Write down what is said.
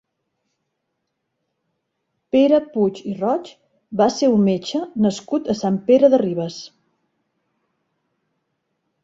Pere Puig i Roig va ser un metge nascut a Sant Pere de Ribes.